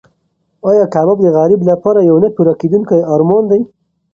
ایا کباب د غریب انسان لپاره یو نه پوره کېدونکی ارمان دی؟